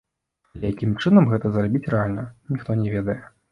Але якім чынам гэта зрабіць рэальна, ніхто не ведае.